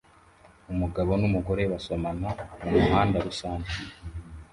Umugabo n'umugore basomana mumuhanda rusange